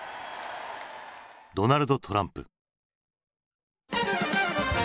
ドナルド・トランプ。